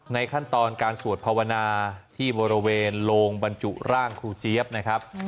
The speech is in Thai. ขั้นตอนการสวดภาวนาที่บริเวณโลงบรรจุร่างครูเจี๊ยบนะครับ